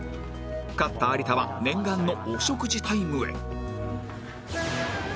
勝った有田は念願のお食事タイムへ